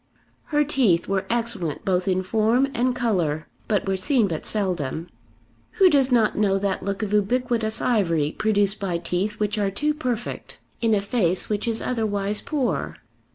Her teeth were excellent both in form and colour, but were seen but seldom. Who does not know that look of ubiquitous ivory produced by teeth which are too perfect in a face which is otherwise poor?